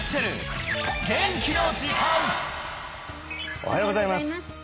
おはようございます